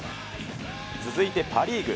続いてパ・リーグ。